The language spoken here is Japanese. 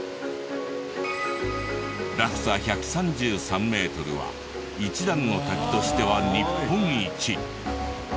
落差１３３メートルは一段の滝としては日本一。